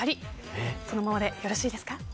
そのままでよろしいですか？